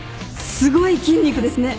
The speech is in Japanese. すごい筋肉ですね。